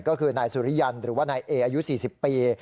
ก็คือนายสุริยันหรือว่านายเออายุ๔๐ปี